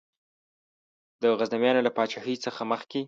د غزنویانو له پاچهۍ څخه مخکي.